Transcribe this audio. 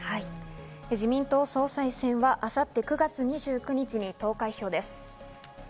自民党総裁選は明後日９月２９日に投開票です。